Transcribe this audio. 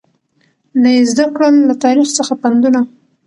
نه یې زده کړل له تاریخ څخه پندونه